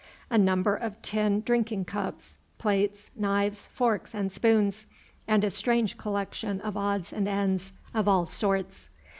a number of tin drinking cups, plates, knives, forks, and spoons, and a strange collection of odds and ends of all sorts.